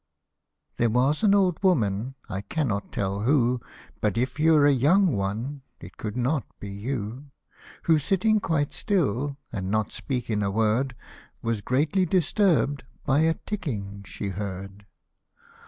THERE was an old woman, I cannot tell who ; But if you're a young one, it could not be you ; Who sitting quite still, and not speaking a word, Was greatly disturbed by a ticking she heard.